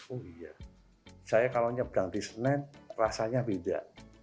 oh iya saya kalau menyeberang di senin rasanya beda